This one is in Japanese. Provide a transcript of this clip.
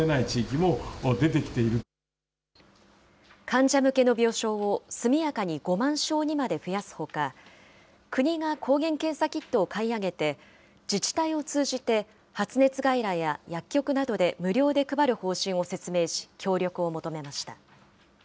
患者向けの病床を速やかに５万床にまで増やすほか、国が抗原検査キットを買い上げて、自治体を通じて発熱外来や薬局などで無料で配る方針を説明し、協力を求めました。